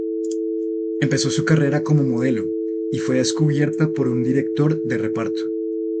Empezó su carrera como modelo, y fue descubierta por un director de reparto.